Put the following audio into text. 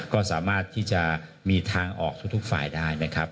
ก็สามารถที่จะมีทางออกทุกฝ่ายได้นะครับ